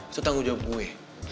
itu tanggung jawab gue